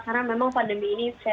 karena memang pandemi ini saya